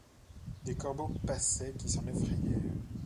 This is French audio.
Des corbeaux passaient, qui s’en effrayèrent.